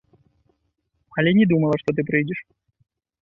Але не думала, што ты прыйдзеш.